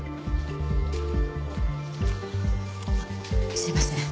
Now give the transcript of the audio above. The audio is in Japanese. すいません